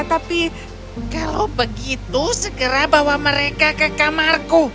tapi kalau begitu segera bawa mereka ke kamarku